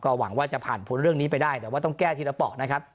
หวังว่าจะผ่านพ้นเรื่องนี้ไปได้แต่ว่าต้องแก้ทีละเปาะนะครับ